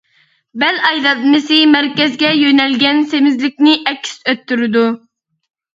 بەل ئايلانمىسى مەركەزگە يۆنەلگەن سېمىزلىكنى ئەكس ئەتتۈرىدۇ.